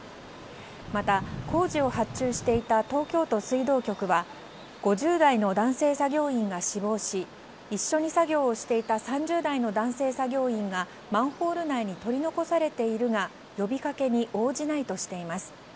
また、工事を発注していた東京都水道局は５０代の男性作業員が死亡し一緒に作業をしていた３０代の男性作業員がマンホール内に取り残されているが呼びかけに応じないとしています。